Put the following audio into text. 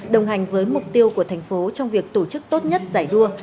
đồng hành với mục tiêu của thành phố trong việc tổ chức tốt nhất giải đua